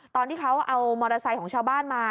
ตอนที่เขาเอามอเตอร์ไซค์ของชาวบ้านมา